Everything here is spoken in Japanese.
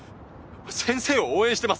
先生を応援しています。